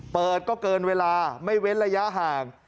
เปิดก็เกินเวลาไม่เว้นระยะห่าง